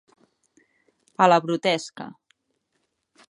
A la brutesca.